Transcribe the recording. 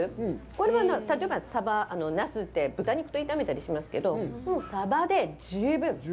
これは例えばナスって、豚肉と炒めたりしますけど、もうサバで十分！